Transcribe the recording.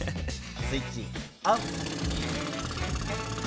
スイッチオン。